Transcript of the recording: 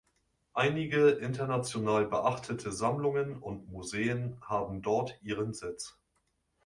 Einige international beachtete Sammlungen und Museen haben dort ihren Sitz.